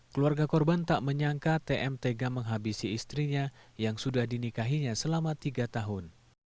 keluarga korban tak menyangka tm tega menghabisi istrinya yang sudah dinikahinya selama tiga tahun